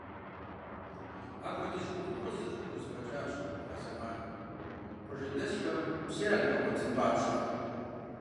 Апхуэдиз ӏуэхугъуэ зы лӏым хузэфӏэкӏащ а зэманым, къуажэдэсхэм псы яригъэгъуэтын папщӏэ.